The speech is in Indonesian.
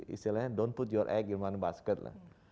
istilahnya don't put your egg in one basket lah